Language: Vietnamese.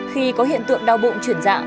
khi có hiện tượng đau bụng chuyển dạ